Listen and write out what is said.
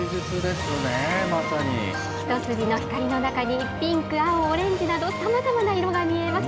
一筋の光の中にピンク、青、オレンジなど、さまざまな色が見えます。